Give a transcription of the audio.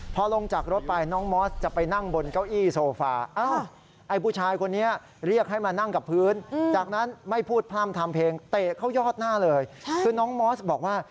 พอลงจากรถไปน้องมอสจะไปนั่งบนเก้าอี้โซฟา